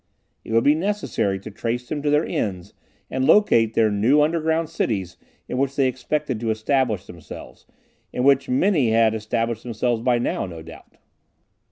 It would be necessary to trace them to their ends and locate their new underground cities in which they expected to establish themselves, and in which many had established themselves by now, no doubt.